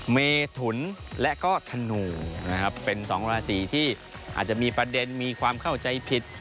เมถุนและก็ธนูนะครับเป็นสองราศีที่อาจจะมีประเด็นมีความเข้าใจผิด